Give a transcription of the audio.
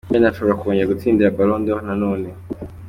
Wenda nshobora kongera gutsindira Ballon d'Or nanone.